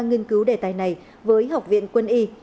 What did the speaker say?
nghiên cứu đề tài này với học viện quân y